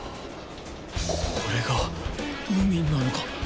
これが海なのか。